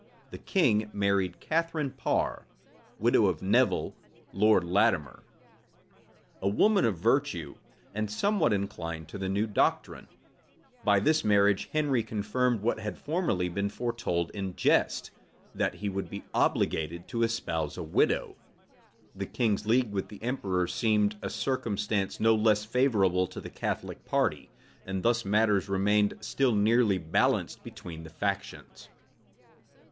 The king married Catharine Par, widow of Nevil, Lord Latimer; a woman of virtue, and somewhat inclined to the new doctrine. By this marriage Henry confirmed what had formerly been foretold in jest, that he would be obliged to espouse a widow. The king's league with the emperor seemed a circumstance no less favorable to the Catholic party; and thus matters remained still nearly balanced between the factions.